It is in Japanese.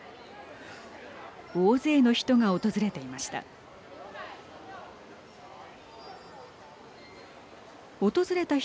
大勢の人が訪れていました。